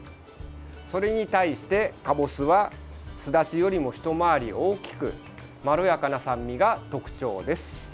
それに対してかぼすはすだちよりも、ひと回り大きくまろやかな酸味が特徴です。